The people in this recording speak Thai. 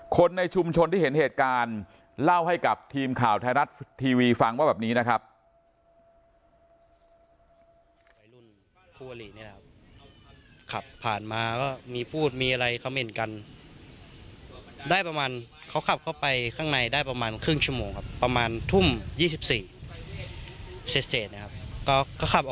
คนในชุมชนที่เห็นเหตุการณ์เล่าให้กับทีมข่าวไทยรัฐทีวีฟังว่าแบบนี้นะครับ